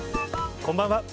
こんばんは。